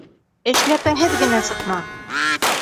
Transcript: Эшләпәһеҙ генә сыҡма.